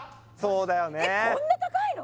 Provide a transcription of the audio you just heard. えっこんな高いの？